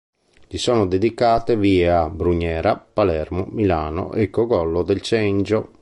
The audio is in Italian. Gli sono state dedicate vie a Brugnera, Palermo, Milano e Cogollo del Cengio.